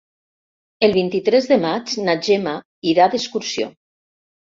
El vint-i-tres de maig na Gemma irà d'excursió.